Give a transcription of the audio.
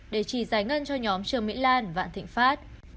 để chỉ giải ngân cho nhóm trương mỹ lan vạn thịnh pháp